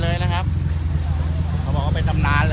เสร็จแล้วขาออกก็ออกทางนั้น